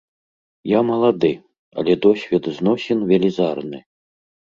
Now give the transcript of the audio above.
Я малады, але досвед зносін велізарны.